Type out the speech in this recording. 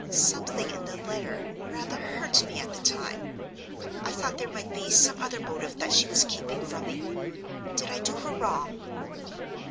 Something in the letter rather hurt me at the time. I thought there might be some other motive that she was keeping from me. Did I do her wrong?"